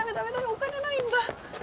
お金ないんだ。